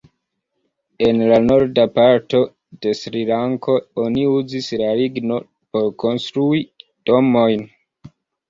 En la Norda parto de Srilanko oni uzis la lignon por konstrui domojn.